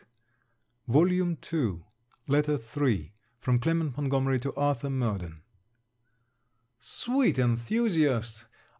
CAROLINE ASHBURN LETTER III FROM CLEMENT MONTGOMERY TO ARTHUR MURDEN Sweet enthusiast!